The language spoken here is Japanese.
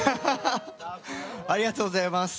ありがとうございます。